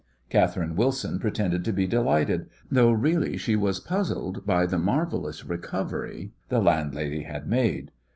Catherine Wilson pretended to be delighted, though really she was puzzled by the marvellous recovery the landlady had made.